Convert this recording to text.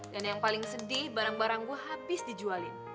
dan yang paling sedih barang barang gue habis dijualin